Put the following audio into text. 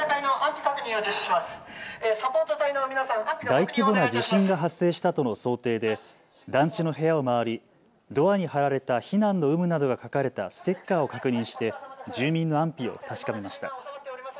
大規模な地震が発生したとの想定で団地の部屋を回りドアに貼られた避難の有無などが書かれたステッカーを確認して住民の安否を確かめました。